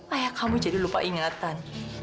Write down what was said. ayah kamu jadi lupa ingatan